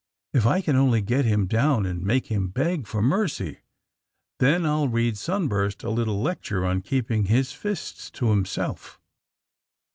If I can only get him down and make him beg for mercy ! Then I '11 read Sunburst a little lecture on keeping his fists to himself."